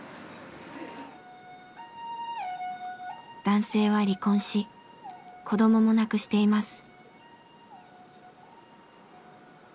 男性は離婚し子どもも亡くしています。